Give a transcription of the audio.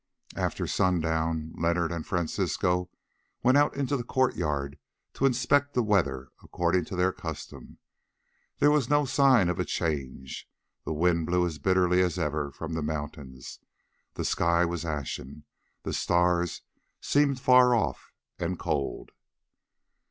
After sundown Leonard and Francisco went out into the courtyard to inspect the weather according to their custom. There was no sign of a change; the wind blew as bitterly as ever from the mountains, the sky was ashen, and the stars seemed far off and cold.